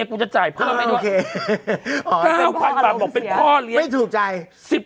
๙๐๐๐บาทมันเป็นพ่อเลี้ยงไม่ถูกใจ